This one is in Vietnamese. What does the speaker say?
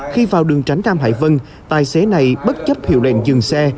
khi vào đường tránh nam hải vân tài xế này bất chấp hiệu lệnh dừng xe